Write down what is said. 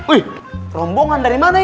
wih rombongan dari mana